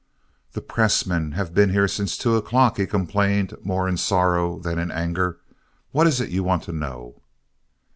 "The press men have been here since two o'clock," he complained more in sorrow than in anger. "What is it you want to know?"